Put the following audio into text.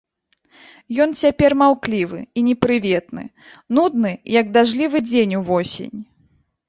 Ён цяпер маўклівы і непрыветны, нудны, як дажджлівы дзень увосень.